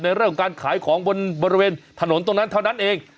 เรื่องของการขายของบนบริเวณถนนตรงนั้นเท่านั้นเอง